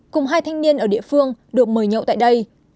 cùng hai thanh niên ở địa phương được mời nhậu tại đây